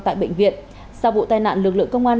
tại bệnh viện sau vụ tai nạn lực lượng công an